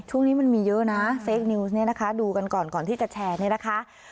ช่วงนี้มันมีเยอะนะเซคนิวส์เนี่ยนะคะดูกันก่อนก่อนที่จะแชร์เนี่ยนะคะ